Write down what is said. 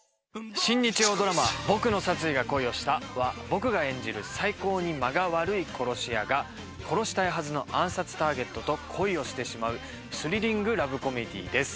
新日曜ドラマ『ボクの殺意が恋をした』は僕が演じる最高に間が悪い殺し屋が殺したいはずの暗殺ターゲットと恋をしてしまうスリリングラブコメディーです。